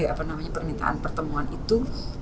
eh apa namanya permintaan pertemuan itu delapan puluh